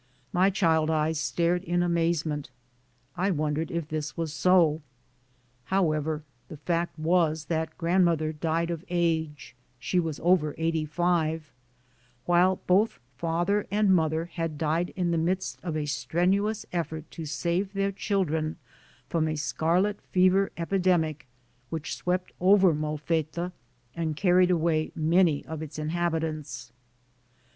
My child eyes stared in amazement; I wondered if this was so. However, the fact was that grandmother died of age she was over 85 while both father and mother had died in the midst of a strenuous effort to save their children from a scarlet fever epidemic which swept over Molfetta and carried away many of its inhabitants.